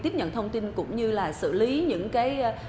tiếp nhận thông tin cũng như là xử lý những cái